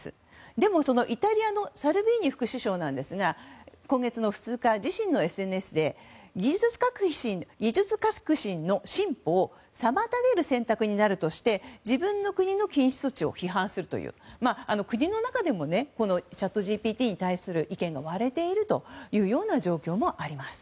でも、そのイタリアのサルビーニ副首相ですが今月の２日、自身のＳＮＳで技術革新の進歩を妨げる選択になるとして自分の国の禁止措置を批判するという、国の中でもチャットＧＰＴに対する意見が割れているというような状況もあります。